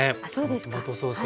このトマトソース。